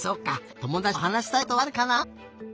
ともだちとはなしたいことはあるかな？